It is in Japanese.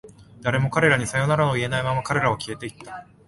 誰も彼らにさよならを言えないまま、彼らは消えていった。